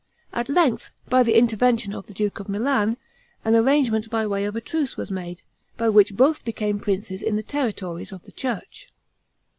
At length, by the intervention of the duke of Milan, an arrangement, by way of a truce, was made, by which both became princes in the territories of the church.